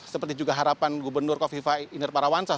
seperti juga harapan gubernur kofifa inder parawansa